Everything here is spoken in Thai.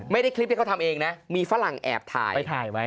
ไม่ได้คลิปที่เขาทำเองนะมีฝรั่งแอบถ่ายไว้